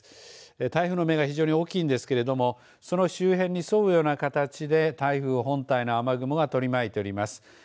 台風の目が非常に大きいんですけれどもその周辺に沿うような形で台風本体の雨雲が取り巻いております。